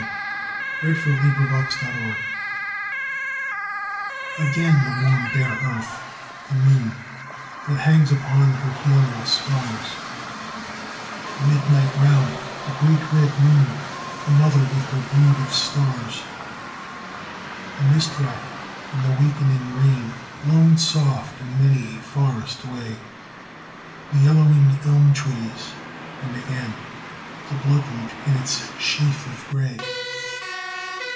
THE RETURN OF THE YEAR Again the warm bare earth, the noon That hangs upon her healing scars, The midnight round, the great red moon, The mother with her brood of stars, The mist rack and the wakening rain Blown soft in many a forest way, The yellowing elm trees, and again The blood root in its sheath of gray.